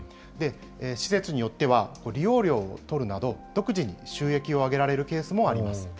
施設によっては、利用料を取るなど、独自に収益を上げられるケースもあります。